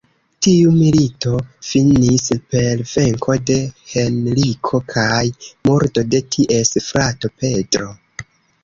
Tiu milito finis per venko de Henriko kaj murdo de ties frato Pedro.